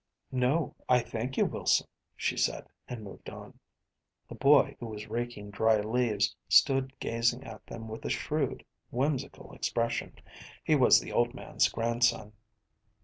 “No, I thank you, Wilson,‚ÄĚ she said, and moved on. The boy, who was raking dry leaves, stood gazing at them with a shrewd, whimsical expression. He was the old man’s grandson.